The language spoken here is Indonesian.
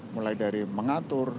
mulai dari mengatur